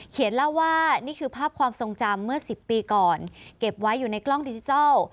เล่าว่านี่คือภาพความทรงจำเมื่อ๑๐ปีก่อนเก็บไว้อยู่ในกล้องดิจิทัล